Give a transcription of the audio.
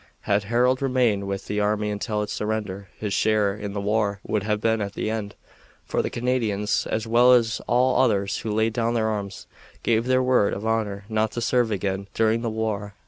Had Harold remained with the army until its surrender his share in the war would have been at an end, for the Canadians, as well as all others who laid down their arms, gave their word of honor not to serve again during the war.